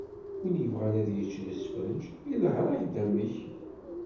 Win yebɣan ad yečč lesfenǧ, iḍher-ak amek.